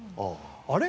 あれ？